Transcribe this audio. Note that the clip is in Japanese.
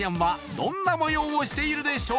どんな模様？